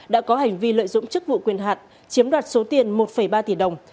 đã có hành vi lợi dụng chức vụ quyền hạn chiếm đoạt số tiền một ba tỷ đồng